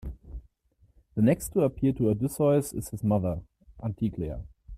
The next to appear to Odysseus is his mother, Anticlea.